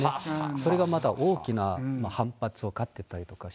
それがまた大きな反発を買ってたりして。